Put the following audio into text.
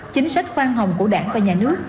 chính sách khoan hồng của đảng và nhà nước